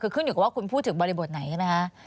ความพูดถึงบริบทไหน